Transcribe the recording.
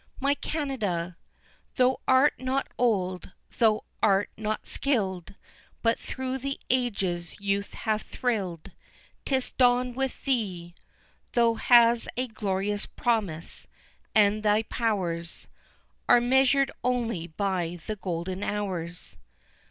My Canada! Thou art not old, thou art not skilled, But through the ages youth hath thrilled; 'Tis dawn with thee, Thou has a glorious promise, and thy powers Are measured only by the golden hours.